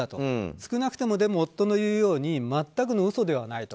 少なくとも夫の言うように全くの嘘ではないと。